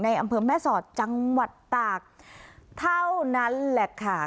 อำเภอแม่สอดจังหวัดตากเท่านั้นแหละค่ะ